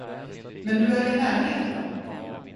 Men du är i närheten.